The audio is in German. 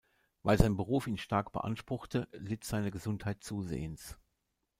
Weil sein Beruf ihn stark beanspruchte, litt seine Gesundheit zusehends.